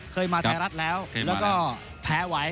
เคยมาไทยรัฐแล้วแล้วก็แพ้ไว้